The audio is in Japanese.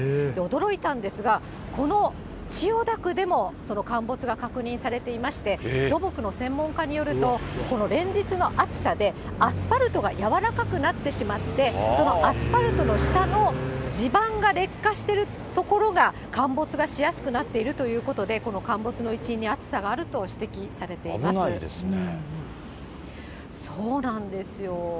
驚いたんですが、この千代田区でも陥没が確認されていまして、土木の専門家によると、この連日の暑さでアスファルトが軟らかくなってしまって、そのアスファルトの下の地盤が劣化してる所が陥没がしやすくなっているということで、この陥没の一因に暑さがあると指摘されてい危ないですね。